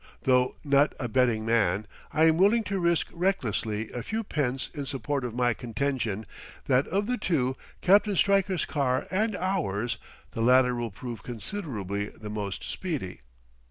Though not a betting man, I am willing to risk recklessly a few pence in support of my contention, that of the two, Captain Stryker's car and ours, the latter will prove considerably the most speedy....